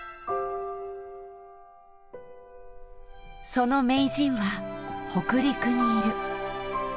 その名人は北陸にいる。